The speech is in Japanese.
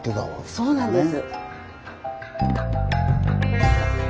そうなんです。